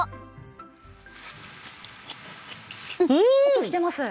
音してます。